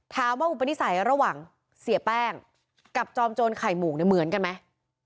อุปนิสัยระหว่างเสียแป้งกับจอมโจรไข่หมูกเนี่ยเหมือนกันไหม